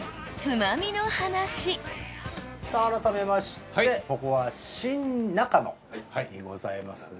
さぁ改めましてここは新中野でございますね。